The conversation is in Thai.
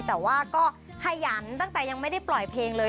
แต่ว่าก็ขยันตั้งแต่ยังไม่ได้ปล่อยเพลงเลย